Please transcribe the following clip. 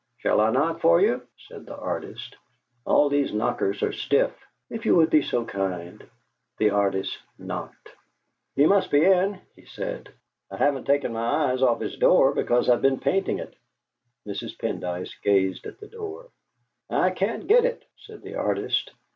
"Shall I knock for you?" said the artist. "All these knockers are stiff." "If you would be so kind!" The artist knocked. "He must be in," he said. "I haven't taken my eyes off his door, because I've been painting it." Mrs. Pendyce gazed at the door. "I can't get it," said the artist.